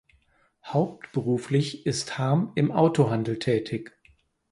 Hauptberuflich ist Harm im Autohandel tätig.